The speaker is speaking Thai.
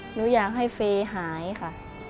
หนูอยากให้เฟย์หายค่ะ